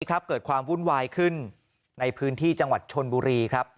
เกิดความวุ่นวายขึ้นในพื้นที่จังหวัดชนบุรีครับ